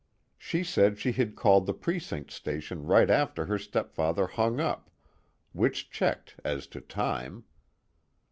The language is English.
She said she had called the precinct station right after her stepfather hung up which checked, as to time.